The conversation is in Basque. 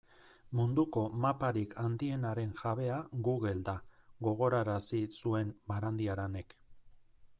Munduko maparik handienaren jabea Google da, gogorarazi zuen Barandiaranek.